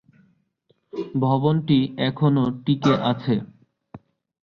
ভবনটি এখনও টিকে আছে।